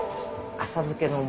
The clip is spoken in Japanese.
浅漬けの素！？